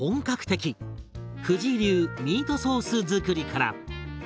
藤井流ミートソース作りから。